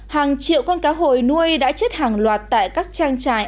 hàng triệu con cá hồi nuôi đã chết hàng loạt tại các trang trại